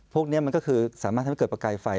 พวกนี้มันก็คือสามารถทำให้เกิดประกายไฟ